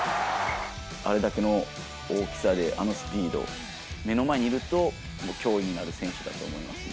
あれだけの大きさで、あのスピード、目の前にいるともう脅威になる選手だと思いますね。